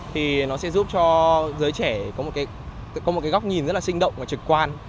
thì nó sẽ giúp cho giới trẻ có một cái góc nhìn rất là sinh động và trực quan